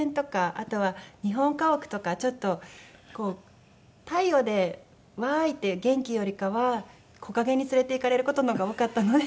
あとは日本家屋とかちょっとこう太陽で「わーい！」って元気よりかは木陰に連れていかれる事の方が多かったので。